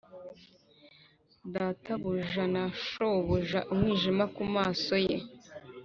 databuja na shobuja, umwijima kumaso ye,